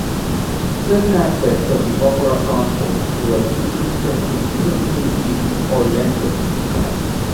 Certain aspects of the opera conform to an eighteenth-century European view of orientalism.